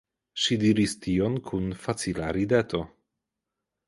Ŝi diris tion kun facila rideto.